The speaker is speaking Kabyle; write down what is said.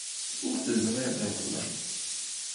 Ur t-teẓriḍ iḍelli?